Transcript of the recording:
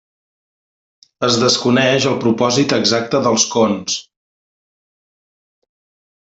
Es desconeix el propòsit exacte dels cons.